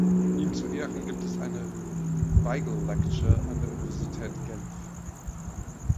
Ihm zu Ehren gibt es eine Weigle Lecture an der Universität Genf.